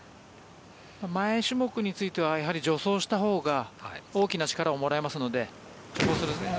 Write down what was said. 前種目については助走したほうが大きな力をもらえますので。